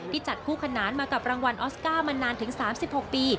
จัดคู่ขนานมากับรางวัลออสการ์มานานถึง๓๖ปี